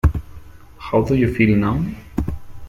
How Do You Feel Now?